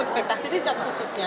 ekspektasi richard khususnya